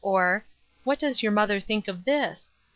or "What does your mother think of this?"